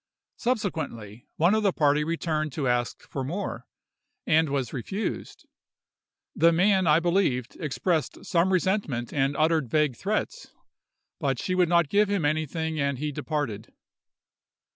Subsequently one of the party returned to ask for more, and was refused. The man, I believe, expressed some resentment and uttered vague threats, but she would not give him anything and he departed.